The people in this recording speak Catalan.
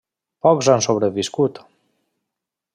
Pocs han sobreviscut.